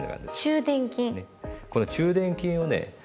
この中臀筋をね